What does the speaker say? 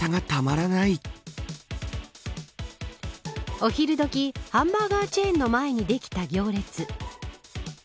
お昼どきハンバーガーチェーン店の前にできた行列。